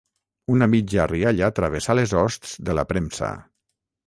Una mitja rialla travessà les hosts de la premsa.